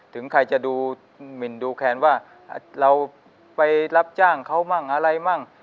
ถึงใครจะดูหมินดูแคนว่าเราไปรับจ้างเขามั่งอะไรมั่ง